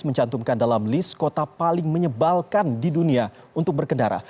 mencantumkan dalam list kota paling menyebalkan di dunia untuk berkendara